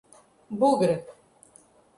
Bugre